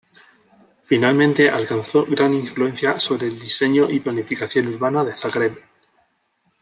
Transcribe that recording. Finalmente alcanzó gran influencia sobre el diseño y planificación urbana de Zagreb.